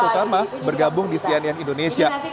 utama bergabung di cnn indonesia